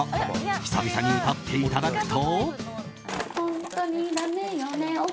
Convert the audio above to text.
久々に歌っていただくと。